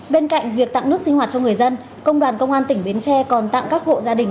bên cạnh việc tặng nước sinh hoạt cho người dân công đoàn công an tỉnh bến tre còn tặng các hộ gia đình